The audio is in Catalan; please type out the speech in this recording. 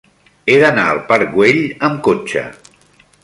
He d'anar al parc Güell amb cotxe.